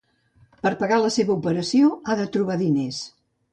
Per pagar la seva operació, ha de trobar diners.